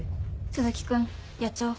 鈴木君やっちゃおう。